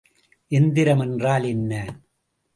எந்திரம் என்றால் என்ன?